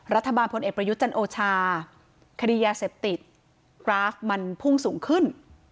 พลเอกประยุทธ์จันโอชาคดียาเสพติดกราฟมันพุ่งสูงขึ้น